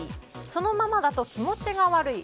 そのままだと気持ちが悪い